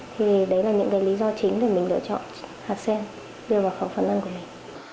thì đấy là những cái lý do chính để mình lựa chọn hạt sen đưa vào phòng phận ăn của mình